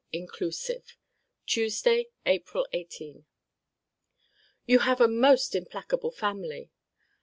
INCLUSIVE.] TUESDAY, APRIL 18. You have a most implacable family.